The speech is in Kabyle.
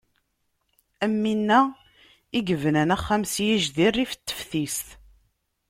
Am winna i yebnan axxam s yijdi rrif n teftis.